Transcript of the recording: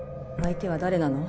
相手は誰なの？